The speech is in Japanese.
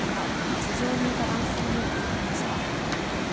地上にいた男性にぶつかりました。